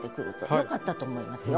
よかったと思いますよ。